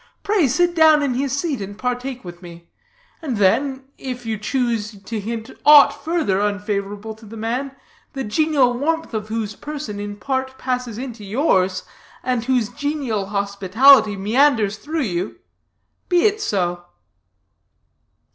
Pray, sit down in his seat, and partake with me; and then, if you choose to hint aught further unfavorable to the man, the genial warmth of whose person in part passes into yours, and whose genial hospitality meanders through you be it so."